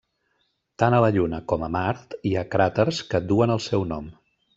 Tant a la Lluna com a Mart hi ha cràters que duen el seu nom.